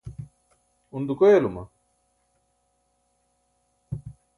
un dukoyalama?